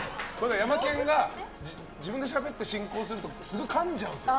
ヤマケンが自分でしゃべって進行するとすごいかんじゃうんですよ。